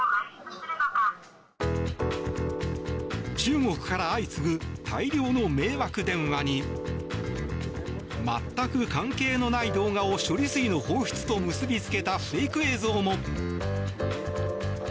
中国から相次ぐ大量の迷惑電話に全く関係のない動画を処理水の放出と結び付けたフェイク映像も。